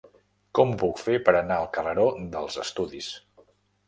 Com ho puc fer per anar al carreró dels Estudis?